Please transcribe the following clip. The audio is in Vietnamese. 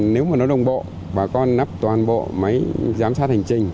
nếu mà nó đồng bộ bà con nắp toàn bộ máy giám sát hành trình